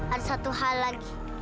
ada satu hal lagi